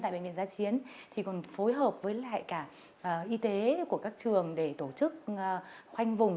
bệnh nhân tại bệnh viện giã chiến thì còn phối hợp với lại cả y tế của các trường để tổ chức khoanh vùng